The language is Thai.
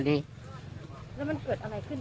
ไม่มี